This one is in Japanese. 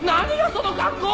その格好！